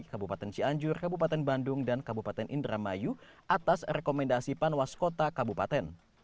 kabupaten cianjur kabupaten bandung dan kabupaten indramayu atas rekomendasi panwas kota kabupaten